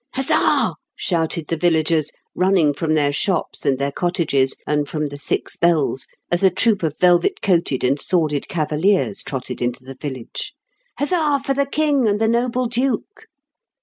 *^ Huzza !" shouted the villagers, running from their shops and their cottages and from The Six Bells, as a troop of velvet coated and sworded cavaliers trotted into the village. " Huzza for the King and the noble Duke